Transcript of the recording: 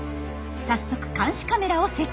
早速監視カメラを設置。